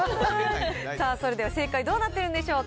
それでは正解どうなっているんでしょうか。